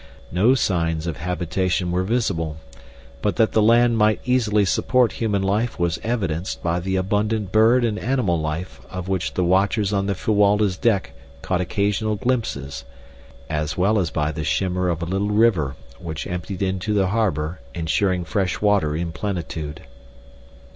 No signs of habitation were visible, but that the land might easily support human life was evidenced by the abundant bird and animal life of which the watchers on the Fuwalda's deck caught occasional glimpses, as well as by the shimmer of a little river which emptied into the harbor, insuring fresh water in plenitude.